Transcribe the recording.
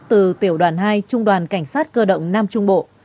từ tiểu đoàn hai trung đoàn cảnh sát cơ động nam trung bộ